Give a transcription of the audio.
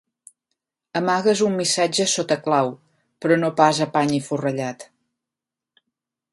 Amagues un missatge sota clau, però no pas a pany i forrellat.